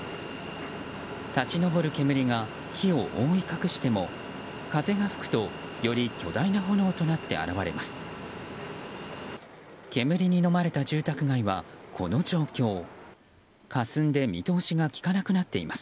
立ち上る煙が火を覆い隠しても風が吹くとより巨大な炎となって現れます。